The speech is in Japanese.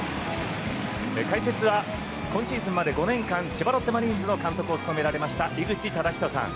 解説は今シーズンまで５年間千葉ロッテマリーンズの監督を務められました井口資仁さん。